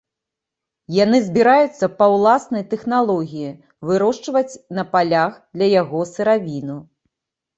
Яны збіраюцца па ўласнай тэхналогіі вырошчваць на палях для яго сыравіну.